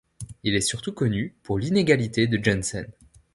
Il est surtout connu pour l'inégalité de Jensen.